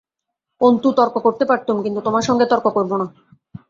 অন্তু, তর্ক করতে পারতুম কিন্তু তোমার সঙ্গে তর্ক করব না।